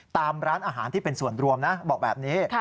ตามร้านอาหารที่เป็นส่วนรวมนะบอกแบบนี้